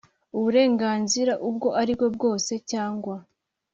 Uburenganzira ubwo ari bwo bwose cyangwa